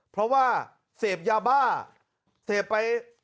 เพราะว่าเสพยาบ้าเสพไป